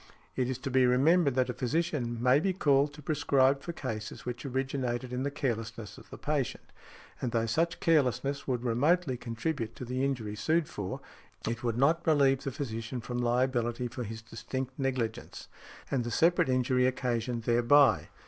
It is to be remembered that a physician may be called to prescribe for cases which originated in the carelessness of the patient; and though such carelessness would remotely contribute to the injury sued for, it would not relieve the physician from liability for his distinct negligence and the separate injury occasioned thereby.